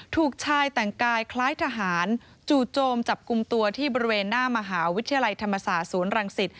ถูกชายแต่งกายคล้ายทหารจู่โจมจับกลุ่มตัวที่บริเวณหน้ามหาวิทยาลัยธรรมศาสตร์ศูนย์รังสิต